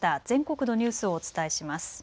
全国のニュースをお伝えします。